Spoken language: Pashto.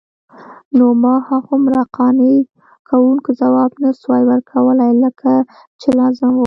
نو ما هغومره قانع کوونکی ځواب نسوای ورکولای لکه چې لازم وو.